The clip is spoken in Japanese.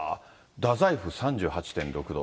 太宰府３８．６度。